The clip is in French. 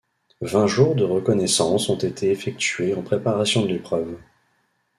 Vingt jours de reconnaissance ont été effectués en préparation de l'épreuve.